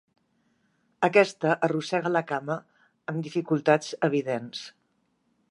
Aquesta arrossega la cama amb dificultats evidents.